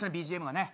ＢＧＭがね